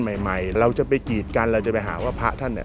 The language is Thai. ใหม่ใหม่เราจะไปกีดกันเราจะไปหาว่าพระท่านเนี่ย